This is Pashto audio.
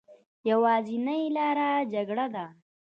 يوازينۍ لاره جګړه ده